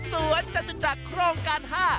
สวนจัดจุดจักรโครงการ๕